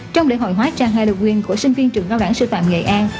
trong lễ hội hóa trang halloween của sinh viên trường cao đẳng sư phạm nghệ an